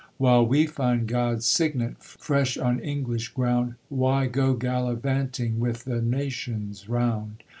While we find God's signet Fresh on English ground, Why go gallivanting With the nations round?